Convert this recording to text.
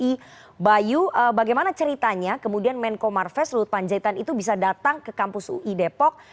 ibu bayu bagaimana ceritanya kemudian menko marves luhut panjaitan itu bisa datang ke kampus ui depok